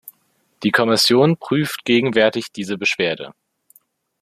Die Kommission prüft gegenwärtig diese Beschwerde.